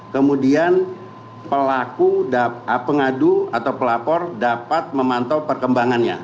kemudian pelaku pengadu atau pelapor dapat memantau perkembangannya